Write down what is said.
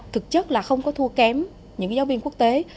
thực chất là không có thua kém những giáo viên quốc tế